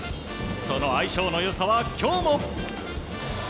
その相性の良さは今日も。